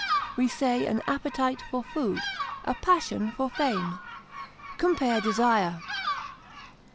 We say an appetite for food, a passion for fame. Compare DESIRE.